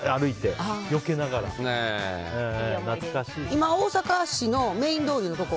今、大阪市のメイン通り